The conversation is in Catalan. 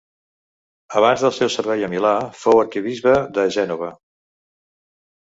Abans del seu servei a Milà, fou arquebisbe de Gènova.